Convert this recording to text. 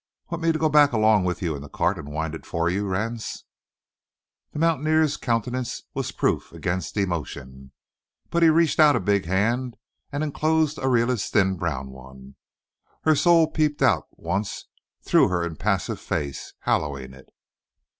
"Want me to go back along 'ith you in the cart and wind it fur you, Ranse?" The mountaineer's countenance was proof against emotion. But he reached out a big hand and enclosed Ariela's thin brown one. Her soul peeped out once through her impassive face, hallowing it.